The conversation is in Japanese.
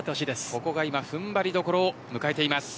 ここが今踏ん張りどころを迎えています。